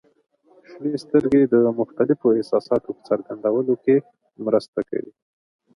• شنې سترګې د مختلفو احساساتو په څرګندولو کې مرسته کوي.